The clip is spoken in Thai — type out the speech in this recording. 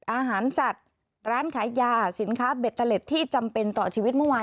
อาหารสัตว์ร้านขายยาสินค้าเบตเตอร์เล็ตที่จำเป็นต่อชีวิตเมื่อวาน